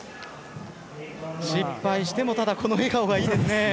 失敗してもただこの笑顔がいいですね。